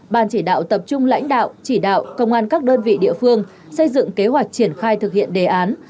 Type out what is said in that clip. ban chỉ đạo tập trung lãnh đạo chỉ đạo công an các đơn vị địa phương xây dựng kế hoạch triển khai thực hiện đề án